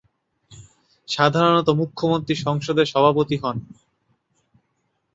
সাধারণত মুখ্যমন্ত্রী সংসদের সভাপতি হন।